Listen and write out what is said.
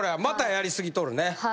またやりすぎとるね。